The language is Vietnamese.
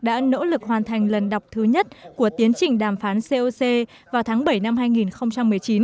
đã nỗ lực hoàn thành lần đọc thứ nhất của tiến trình đàm phán coc vào tháng bảy năm hai nghìn một mươi chín